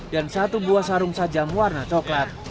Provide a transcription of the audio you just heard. dan satu buah sarung sajam warna coklat